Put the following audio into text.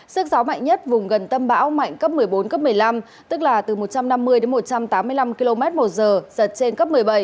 sức gió mạnh nhất vùng gần tâm bão mạnh cấp một mươi bốn cấp một mươi năm tức là từ một trăm năm mươi đến một trăm tám mươi năm km một giờ giật trên cấp một mươi bảy